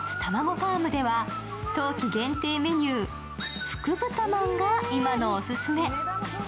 ファームでは冬季限定メニュー、福豚まんが今のオススメ。